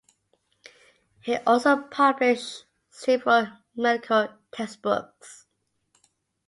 He also published several medical textbooks.